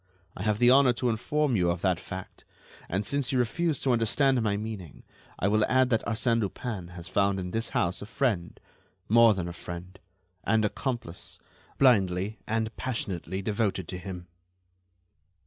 "I have the honor to inform you of that fact, and since you refuse to understand my meaning, I will add that Arsène Lupin has found in this house a friend—more than a friend—and accomplice, blindly and passionately devoted to him."